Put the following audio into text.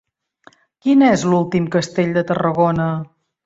Quin és l'últim castell de Tarragona?